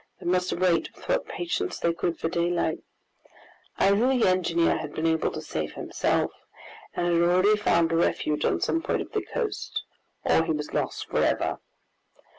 They must wait with what patience they could for daylight. Either the engineer had been able to save himself, and had already found a refuge on some point of the coast, or he was lost for ever!